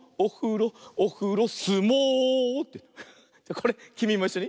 これきみもいっしょに。